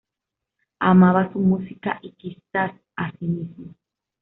Amaba su música, y quizás a sí mismo.